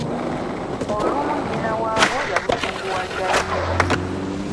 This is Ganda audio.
Olumu nnyina waabwo yabusunguwalira nnyo.